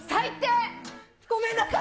ごめんなさい。